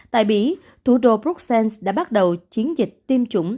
tại mỹ thủ đô bruxelles đã bắt đầu chiến dịch tiêm chủng